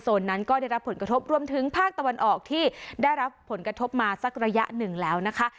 นั้นก็ได้รับผลกระทบรวมถึงภาคตะวันออกที่ได้รับผลกระทบมาสักระยะหนึ่งแล้วนะคะ